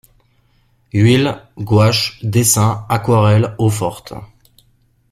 Huile, gouache, dessin, aquarelle, eau-forte.